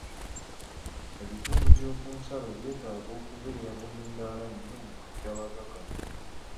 Ebitundu by'okunsalo byetaaga okubeera bulindaala nnyo mu katyabaga kano.